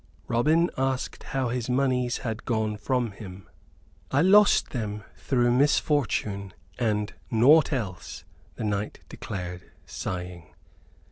Robin asked how his moneys had gone from him. "I lost them through misfortune and naught else," the knight declared, sighing.